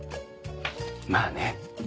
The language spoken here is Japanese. まぁね。